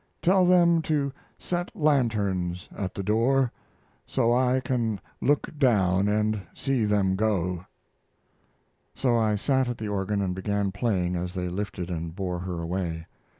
Tell them to set lanterns at the door, so I can look down and see them go." So I sat at the organ and began playing as they lifted and bore her away.